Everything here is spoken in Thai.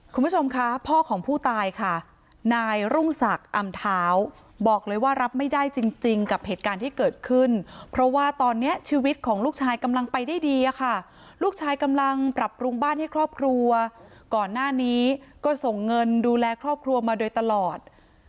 คุณผู้ชมคะพ่อของผู้ตายค่ะนายรุ่งศักดิ์อำเท้าบอกเลยว่ารับไม่ได้จริงกับเหตุการณ์ที่เกิดขึ้นเพราะว่าตอนนี้ชีวิตของลูกชายกำลังไปได้ดีอะค่ะลูกชายกำลังปรับปรุงบ้านให้ครอบครัวก่อนหน้านี้ก็ส่งเงินดูแลครอบครัวมาโดยตลอด